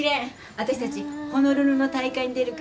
あたしたちホノルルの大会に出るから。